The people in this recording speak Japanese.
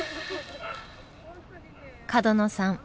角野さん